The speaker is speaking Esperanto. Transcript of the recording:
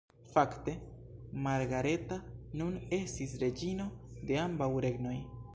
Fakte Margareta nun estis reĝino de ambaŭ regnoj.